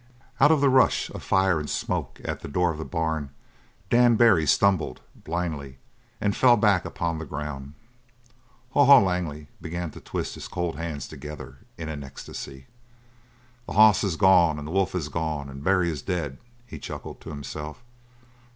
Out of the rush of fire and smoke at the door of the barn Dan Barry stumbled, blindly, and fell back upon the ground. Haw Haw Langley began to twist his cold hands together in an ecstasy. "The hoss is gone and the wolf is gone, and Barry is beat!" he chuckled to himself.